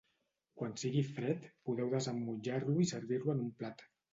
Quan sigui fred, podeu desemmotllar-lo i servir-lo en un plat